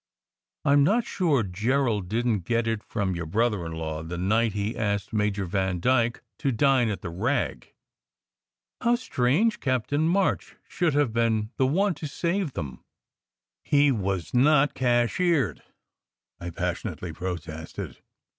I m not sure Gerald didn t get it from your brother in law the night he asked Major Van dyke to dine at the Rag. How strange Captain March should have been the one to save them !" "He was not cashiered," I passionately protested.